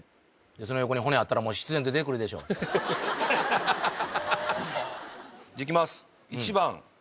その横に骨あったらもう必然出てくるでしょじゃあいきます